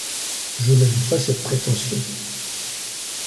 Je n’avais pas cette prétention.